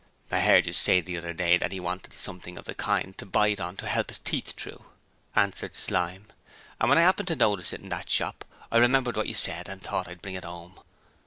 'I heard you say the other day that he wanted something of the kind to bite on to help his teeth through,' answered Slyme, 'and when I happened to notice that in the shop I remembered what you said and thought I'd bring it home.'